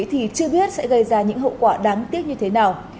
thì chưa biết sẽ gây ra những hậu quả đáng tiếc như thế nào